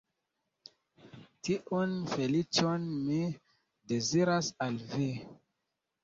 Tiun feliĉon mi deziras al vi.